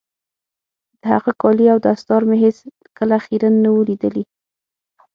د هغه کالي او دستار مې هېڅ کله خيرن نه وو ليدلي.